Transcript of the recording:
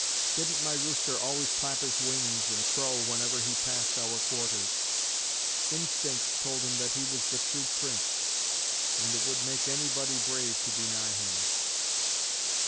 Didn't my rooster always clap his wings and crow whenever he passed our quarters? "Instinct told him that he was the true prince," and it would make anybody brave to be nigh him.